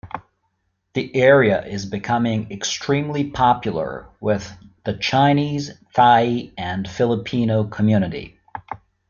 The area is becoming extremely popular with the Chinese, Thai and Filipino community.